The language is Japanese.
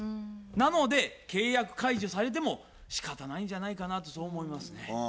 なので契約解除されてもしかたないんじゃないかなとそう思いますね。